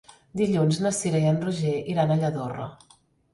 Dilluns na Cira i en Roger iran a Lladorre.